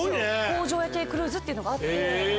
工場夜景クルーズというのがあって。